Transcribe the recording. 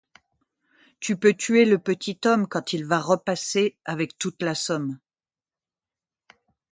Tu peux tuer le petit homme Quand il va repasser avec toute la somme.